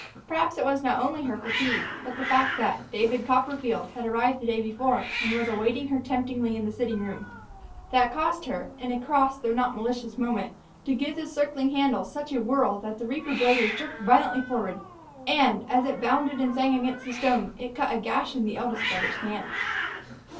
Perhaps it was not only her fatigue, but the fact that "David Copperfield" had arrived the day before and was awaiting her temptingly in the sitting room, that caused her, in a cross though not malicious moment, to give the circling handle such a whirl that the reaper blade was jerked violently forward; and, as it bounded and sang against the stone, it cut a gash in the eldest brother's hand.